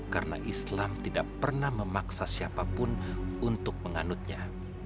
karena islam tidak pernah memaksa siapapun untuk menganutnya